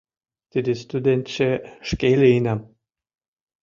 Тиде студентше шке лийынам.